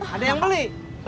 ada yang beli